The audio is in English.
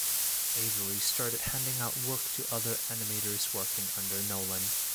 Avery started handing out work to other animators working under Nolan.